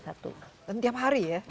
dan tiap hari ya